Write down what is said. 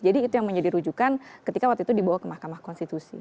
jadi itu yang menjadi rujukan ketika waktu itu dibawa ke mahkamah konstitusi